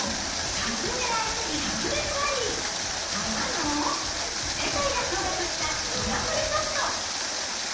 格上相手に白熱ラリー！からの、世界が驚がくしたミラクルショット。